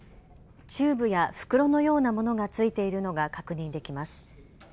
チューブや袋のようなものがついているのが確認できます。